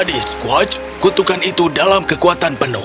pada saat di squatch kutukan itu dalam kekuatan penuh